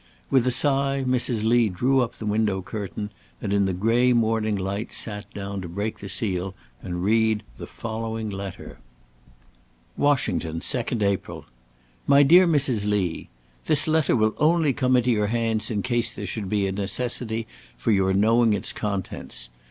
With a sigh, Mrs. Lee drew up the window curtain, and in the gray morning light sat down to break the seal and read the following letter: "Washington, 2nd April. "My dear Mrs. Lee, "This letter will only come into your hands in case there should be a necessity for your knowing its contents.